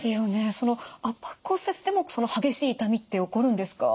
その圧迫骨折でも激しい痛みって起こるんですか？